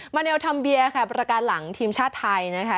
เนลทอมเบียค่ะประการหลังทีมชาติไทยนะคะ